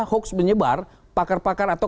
hoax menyebar pakar pakar atau